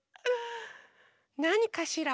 なにかしら？